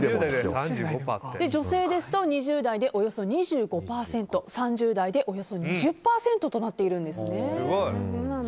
女性ですと２０代でおよそ２５％３０代でおよそ２０％となっているんです。